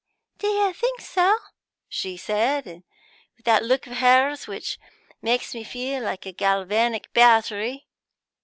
'Do you think so?' she said, with that look of hers which makes me feel like a galvanic battery.